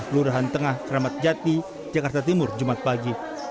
lurahan tengah keramat jati jakarta timur jumat pagi